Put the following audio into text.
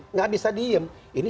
nggak bisa diem